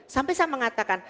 sampai saya mengatakan